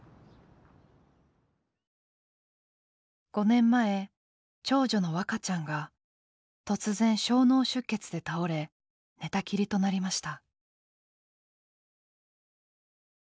５年前長女の和花ちゃんが突然小脳出血で倒れ寝たきりとなりました。